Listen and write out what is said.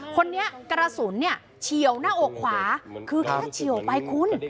คนนี้กระสุนเนี่ยเฉียวหน้าอกขวาคือแค่เฉียวไปคุณ